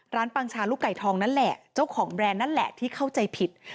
ปังชาลูกไก่ทองนั่นแหละเจ้าของแบรนด์นั่นแหละที่เข้าใจผิด